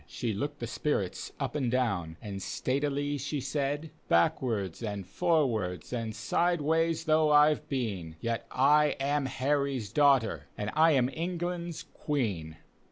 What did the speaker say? She looked the spirits up and down and statclily she said :—" Backwards and forwards and sideways though I've been, Yet I am Harty's daug^te; and I am England's Queen!